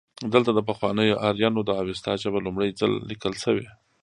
دلته د پخوانیو آرینو د اوستا ژبه لومړی ځل لیکل شوې